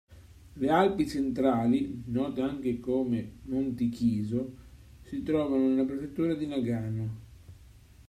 Le Alpi Centrali, note anche come Monti Kiso, si trovano nella prefettura di Nagano.